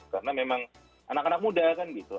karena memang anak anak muda kan gitu